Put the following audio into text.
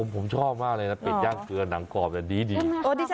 ผมชอบมากเลยนะเป็ดย่างเกลือหนังกรอบดี